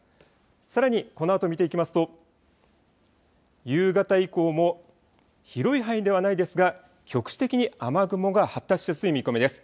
さらにこのあと見ていきますと、夕方以降も、広い範囲ではないですが、局地的に雨雲が発達しやすい見込みです。